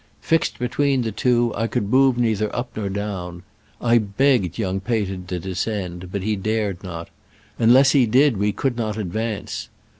Fixed between the two, I could move neither up nor down. I begged young Peter to descend, but he dared not. Un less he did, we could not advance.